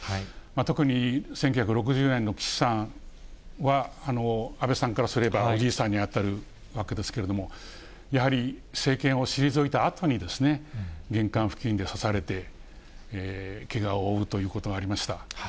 特に、１９６０年の岸さんは、安倍さんからすればおじいさんに当たるわけですけれども、やはり、政権を退いたあとに、玄関付近で刺されて、けがを負うということがありました。